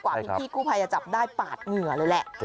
พี่กู้ภัยจะจับได้ปาดเหงื่อเลยแหละ